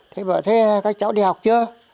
thế bảo thế các cháu đi học chưa